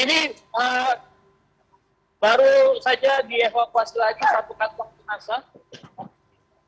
ini baru saja dievakuasi lagi satu kantong jenazah